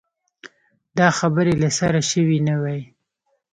دا خبرې له سره شوې نه وای.